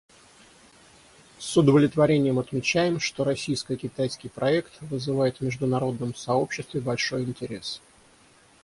С удовлетворением отмечаем, что российско-китайский проект вызывает в международном сообществе большой интерес.